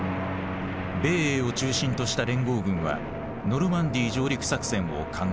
米英を中心とした連合軍はノルマンディー上陸作戦を敢行。